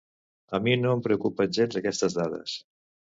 A mi no em preocupen gens aquestes dades.